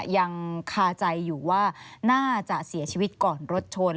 ยังคาใจอยู่ว่าน่าจะเสียชีวิตก่อนรถชน